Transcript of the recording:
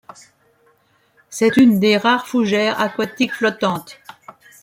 C'est une des rares fougères aquatiques flottantes.